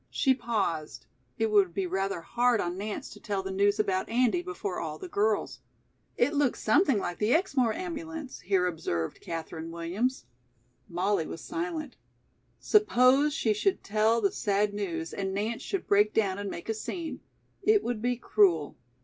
She paused. It would be rather hard on Nance to tell the news about Andy before all the girls. "It looked something like the Exmoor ambulance," here observed Katherine Williams. Molly was silent. Suppose she should tell the sad news and Nance should break down and make a scene. It would be cruel.